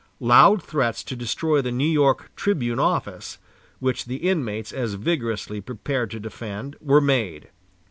Loud threats to destroy the New York "Tribune" office, which the inmates as vigorously prepared to defend, were made.